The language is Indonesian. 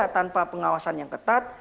tanpa pengawasan yang ketat